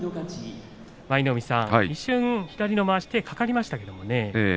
舞の海さん、一瞬左のまわし手がかかりましたね。